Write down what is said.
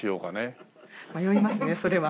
迷いますねそれは。